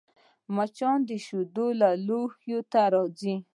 مچان د شیدو لوښي ته راځي